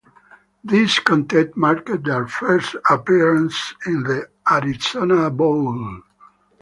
This contest marked their first appearance in the Arizona Bowl.